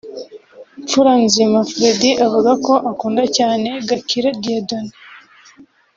Mfuranzima Fred avuga ko akunda cyane Gakire Dieudonne